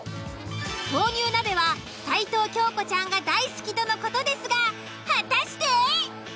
豆乳鍋は齊藤京子ちゃんが大好きとの事ですが果たして！？